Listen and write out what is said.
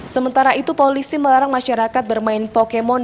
sementara itu polisi melarang masyarakat bermain pokemon